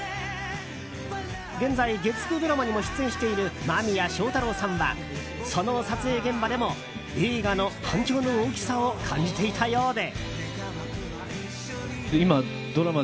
現在、月９ドラマにも出演している間宮祥太朗さんはその撮影現場でも映画の反響の大きさを感じていたようで。